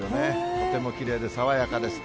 とてもきれいで爽やかです。